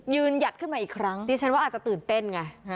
หยัดขึ้นมาอีกครั้งดิฉันว่าอาจจะตื่นเต้นไง